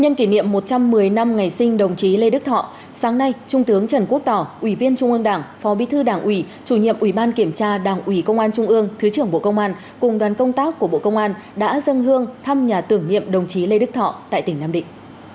nhân kỷ niệm một trăm một mươi năm ngày sinh đồng chí lê đức thọ sáng nay trung tướng trần quốc tỏ ủy viên trung ương đảng phó bí thư đảng ủy chủ nhiệm ủy ban kiểm tra đảng ủy công an trung ương thứ trưởng bộ công an cùng đoàn công tác của bộ công an đã dâng hương thăm nhà tưởng niệm đồng chí lê đức thọ tại tỉnh nam định